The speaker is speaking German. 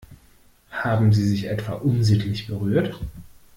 Haben sie sich etwa unsittlich berührt?